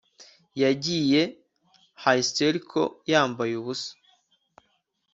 yagiye hysterical yambaye ubusa